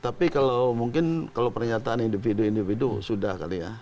tapi kalau mungkin kalau pernyataan individu individu sudah kali ya